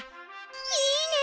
いいね！